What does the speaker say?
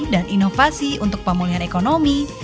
dan inovasi untuk pemulihan ekonomi